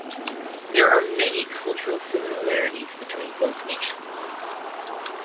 There are many cultural similarities between both nations.